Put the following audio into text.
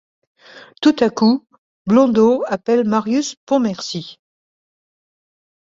Tout à coup Blondeau appelle Marius Pontmercy.